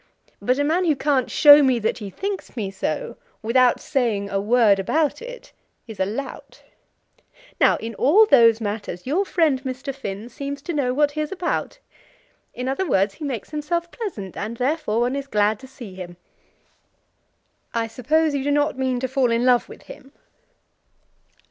But a man who can't show me that he thinks me so without saying a word about it, is a lout. Now in all those matters, your friend, Mr. Finn, seems to know what he is about. In other words, he makes himself pleasant, and, therefore, one is glad to see him." "I suppose you do not mean to fall in love with him?"